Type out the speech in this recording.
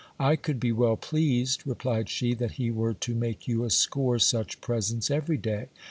I could be well pleased, replied she, that he were to make you a score such presents every day.